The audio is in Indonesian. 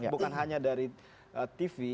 bukan hanya dari tv